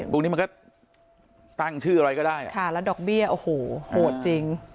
พวกนี้มันก็ตั้งชื่ออะไรก็ได้ค่ะแล้วดอกเบี้ยโอ้โหโหดจริง